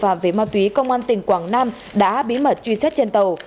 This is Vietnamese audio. và về ma túy công an tỉnh quảng nam đã bí mật truy xét trên tàu